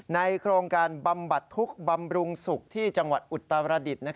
โครงการบำบัดทุกข์บำรุงสุขที่จังหวัดอุตรดิษฐ์